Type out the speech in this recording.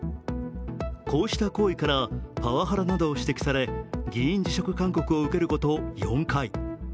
こうした行為からパワハラなどを指摘され議員辞職勧告を受けること４回。